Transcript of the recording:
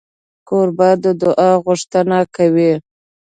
کوربه د دعا غوښتنه کوي.